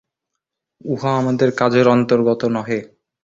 উহা আমার কাজের অন্তর্গত নহে।